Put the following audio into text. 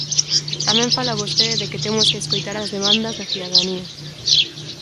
Tamén fala vostede de que temos que escoitar as demandas da cidadanía.